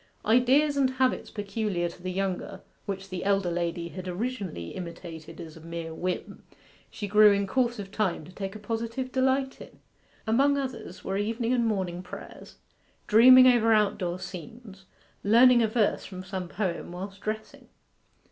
Ideas and habits peculiar to the younger, which the elder lady had originally imitated as a mere whim, she grew in course of time to take a positive delight in. Among others were evening and morning prayers, dreaming over out door scenes, learning a verse from some poem whilst dressing.